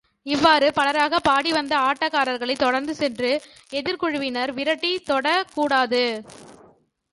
இவ்வாறு பலராகப் பாடிவந்த ஆட்டக்காரர்களைத் தொடர்ந்து சென்று, எதிர்க்குழுவினர் விரட்டித் தொடக்கூடாது.